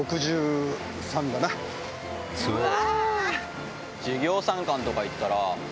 うわ！